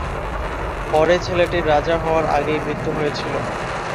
পরে ছেলেটির রাজা হওয়ার আগেই মৃত্যু হয়েছিল।